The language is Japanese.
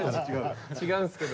違うんすけど。